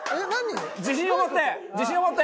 自信を持って！